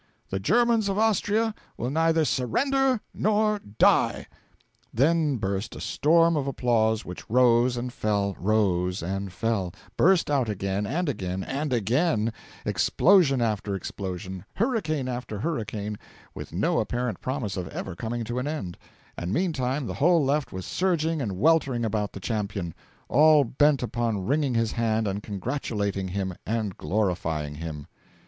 The Germans of Austria will neither surrender nor die!' Then burst a storm of applause which rose and fell, rose and fell, burst out again and again and again, explosion after explosion, hurricane after hurricane, with no apparent promise of ever coming to an end; and meantime the whole Left was surging and weltering about the champion, all bent upon wringing his hand and congratulating him and glorifying him.